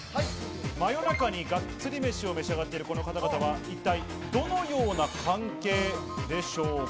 真夜中にガッツリ飯を召し上がっているこの方々は一体どのような関係でしょうか？